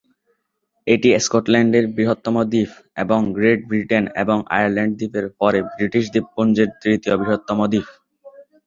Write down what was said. এটি স্কটল্যান্ডের বৃহত্তম দ্বীপ এবং গ্রেট ব্রিটেন এবং আয়ারল্যান্ড দ্বীপের পরে ব্রিটিশ দ্বীপপুঞ্জের তৃতীয় বৃহত্তম দ্বীপ।